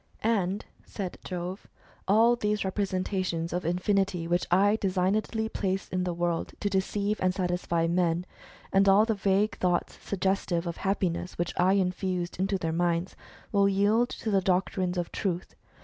" And," said Jove, " all those representations of infinity which I designedly placed in the world to deceive and satisfy men, and all the vague thoughts suggestive of happiness, which I infused into their minds, will yield to the doctrines of Truth.